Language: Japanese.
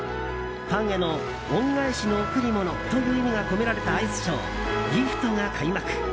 ファンへの恩返しの贈り物という意味が込められたアイスショー「ＧＩＦＴ」が開幕。